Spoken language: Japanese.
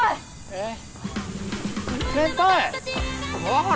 えっ？